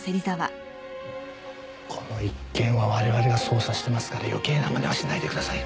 この一件は我々が捜査してますから余計な真似はしないでください。